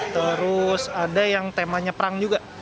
terus ada yang temanya perang juga